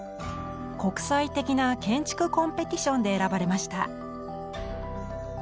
国際的な建築コンペティションで選ばれました。